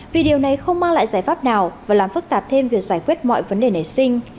vì điều này không mang lại giải pháp nào và làm phức tạp thêm việc giải quyết mọi vấn đề nảy sinh